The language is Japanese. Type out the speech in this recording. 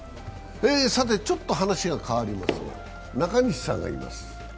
ちょっと話が変わりますが、中西さんがいます。